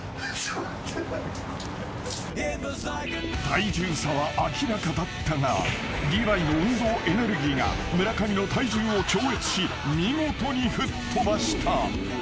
［体重差は明らかだったがリヴァイの運動エネルギーが村上の体重を超越し見事に吹っ飛ばした］